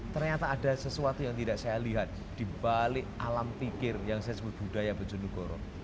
ternyata ada sesuatu yang tidak saya lihat di balik alam pikir yang saya sebut budaya bejonegoro